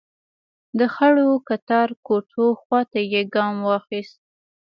د خړو کتار کوټو خواته يې ګام واخيست.